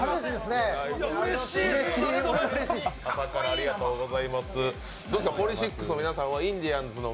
ありがとうございます！